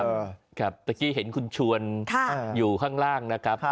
เมื่อกี้เห็นคุณชวนอยู่ข้างล่างนะครับ